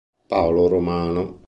Paolo Romano